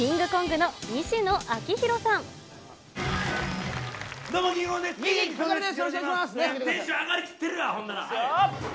テンション上がりきってるわ。